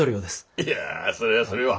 いやそれはそれは。